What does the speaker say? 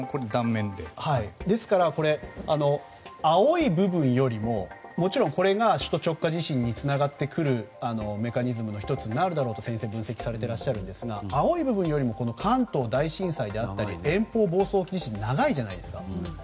ですから、青い部分よりももちろんこれが首都直下地震につながってくるメカニズムの１つになるだろうと先生は分析されていますが青い部分よりも関東大震災であったり延宝房総沖地震って長いじゃないですか。